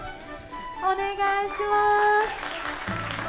お願いします。